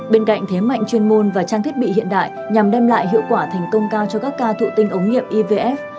bên cạnh thế mạnh chuyên môn và trang thiết bị hiện đại nhằm đem lại hiệu quả thành công cao cho các ca thụ tinh ống nghiệm ivf